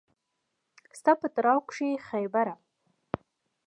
ستا په تړو کښې خېبره